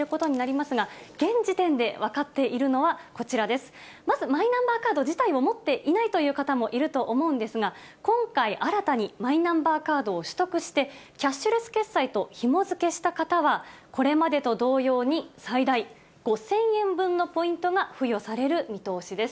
まず、マイナンバーカード自体を持っていないという方もいると思うんですが、今回新たにマイナンバーカードを取得して、キャッシュレス決済とひもづけした方はこれまでと同様に、最大５０００円分のポイントが付与される見通しです。